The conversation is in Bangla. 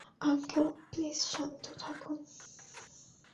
আঙ্কেল, প্লিজ শান্ত থাকুন।